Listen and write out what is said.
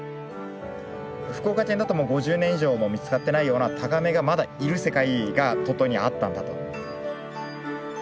福岡県だともう５０年以上も見つかってないようなタガメがまだいる世界が鳥取にはあったんだと。